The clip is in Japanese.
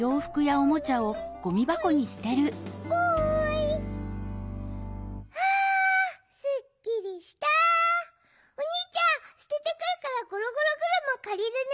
おにいちゃんすててくるからゴロゴロぐるまかりるね。